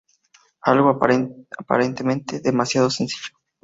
Algo aparentemente "demasiado" sencillo...